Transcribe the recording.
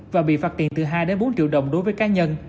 và bị phạt tiền từ hai đến bốn triệu đồng đối với cá nhân